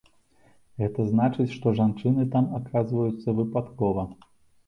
Гэта значыць, што жанчыны там аказваюцца выпадкова.